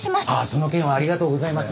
その件はありがとうございます。